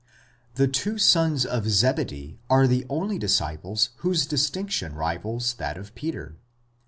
The two sons of Zebedee are the only disciples whose distinction rivals that of Peter.